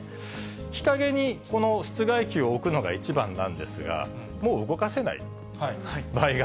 日陰に室外機を置くのが一番なんですが、もう動かせない場合が。